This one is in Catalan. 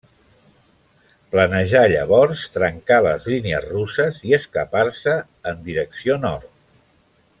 Planejà llavors trencar les línies russes i escapar-se en direcció nord.